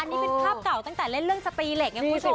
อันนี้เป็นภาพเก่าตั้งแต่เล่นเรื่องสตีเหล็กไงคุณผู้ชม